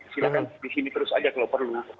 silahkan disini terus aja kalau perlu